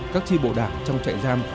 các chi bộ đảng trong trại giam